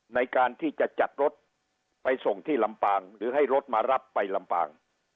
ในการที่จะจัดรถไปส่งที่ลำปางหรือให้รถมารับไปลำปาง